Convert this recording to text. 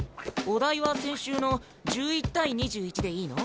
お題は先週の１１対２１でいいの？